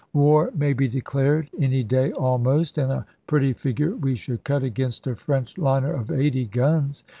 War may be declared any day almost, and a pretty figure we should cut against a French liner of 80 guns.